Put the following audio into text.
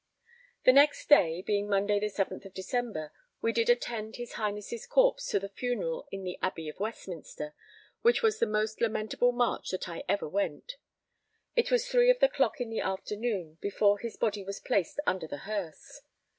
The next day, being Monday the 7th December, we did attend his Highness' corpse to the funeral in the Abbey at Westminster, which was the most lamentable march that ever I went. It was three of the clock in the afternoon before his body was placed under the hearse.